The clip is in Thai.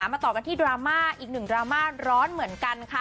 มาต่อกันที่ดราม่าอีกหนึ่งดราม่าร้อนเหมือนกันค่ะ